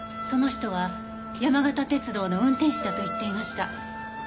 その人は山形鉄道の運転士だと言っていました。